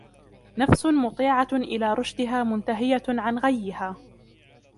نَفْسٌ مُطِيعَةٌ إلَى رُشْدِهَا مُنْتَهِيَةٌ عَنْ غَيِّهَا